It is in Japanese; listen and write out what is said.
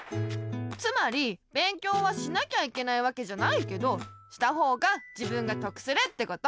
つまり勉強はしなきゃいけないわけじゃないけどしたほうが自分がとくするってこと。